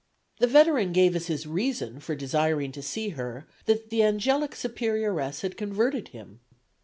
The veteran gave as his reason for desiring to see her that the angelic Superioress had converted him.